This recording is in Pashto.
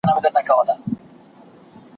لارښود استاد باید شاګرد ته پوره خپلواکي ورکړي.